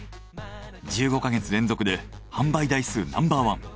１５か月連続で販売台数ナンバーワン。